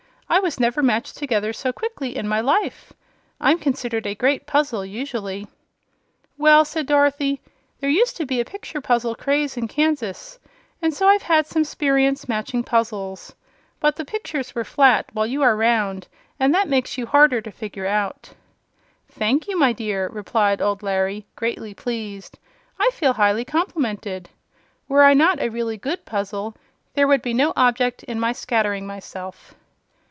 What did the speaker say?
I was never matched together so quickly in my life. I'm considered a great puzzle, usually." "Well," said Dorothy, "there used to be a picture puzzle craze in Kansas, and so I've had some 'sperience matching puzzles. But the pictures were flat, while you are round, and that makes you harder to figure out." "Thank you, my dear," replied old Larry, greatly pleased. "I feel highly complimented. Were I not a really good puzzle, there would be no object in my scattering myself."